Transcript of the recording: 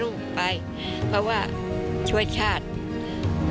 อันดับ๖๓๕จัดใช้วิจิตร